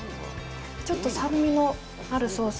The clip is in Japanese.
ちょっと酸味のあるソース。